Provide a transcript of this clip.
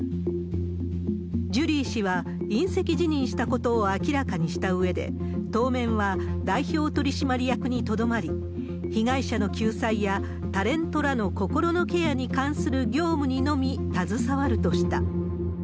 ジュリー氏は、引責辞任したことを明らかにしたうえで、当面は代表取締役にとどまり、被害者の救済やタレントらの心のケアに関する業務にのみ携わるとした。